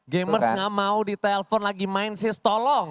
gamer gak mau di telepon lagi main sis tolong